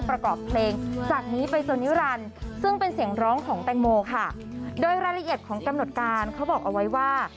ประกอบเพลงจากนี้ไปเจอนิรันดิ์ซึ่งเป็นเสียงร้องของแตงโมค่ะโดยรายละเอียดของกำหนดการเขาบอกเอาไว้ว่า